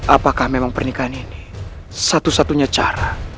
apakah memang pernikahan ini satu satunya cara